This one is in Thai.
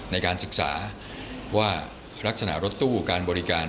ในการศึกษาว่าลักษณะรถตู้การบริการ